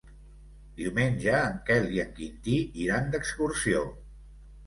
Diumenge en Quel i en Quintí iran d'excursió.